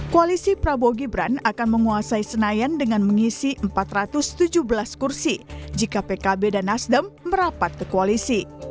koalisi prabowo gibran akan menguasai senayan dengan mengisi empat ratus tujuh belas kursi jika pkb dan nasdem merapat ke koalisi